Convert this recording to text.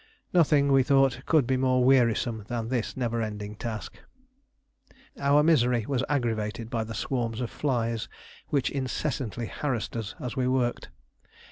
Nothing, we thought, could be more wearisome than this never ending task. Our misery was aggravated by the swarms of flies which incessantly harassed us as we worked.